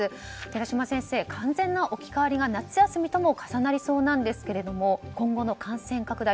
寺嶋先生、完全な置き換わりは夏休みとも重なりそうなんですけども今後の感染拡大